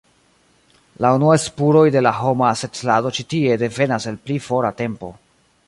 La unuaj spuroj de la homa setlado ĉi tie devenas el pli fora tempo.